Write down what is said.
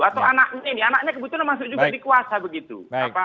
atau anak ini anaknya kebetulan masuk juga dikuasa begitu